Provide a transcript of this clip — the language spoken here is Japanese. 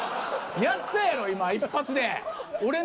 やったやろ今一発で。